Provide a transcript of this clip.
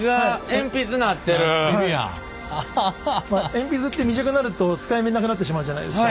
鉛筆って短くなると使いみちなくなってしまうじゃないですか。